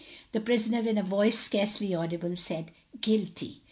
The prisoner in a voice scarcly audible, said Guilty.